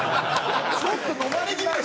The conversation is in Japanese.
ちょっとのまれぎみ。